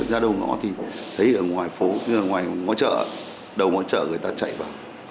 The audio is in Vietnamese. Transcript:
ra đầu ngõ thì thấy ở ngoài phố ngoài ngõ chợ đầu ngõ chợ người ta chạy vào